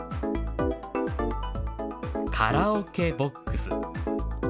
カラオケボックス。